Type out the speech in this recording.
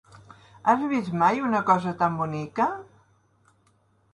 Has vist mai una cosa tan bonica?